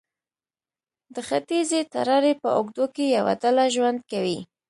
د ختیځې تراړې په اوږدو کې یوه ډله ژوند کوي.